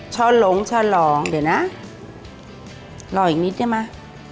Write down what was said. ชะลงชะลองเดี๋ยวนะรออีกนิดได้มั้ย